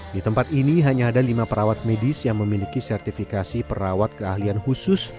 di tempat ini hanya ada lima perawat medis yang memiliki sertifikasi perawat keahlian khusus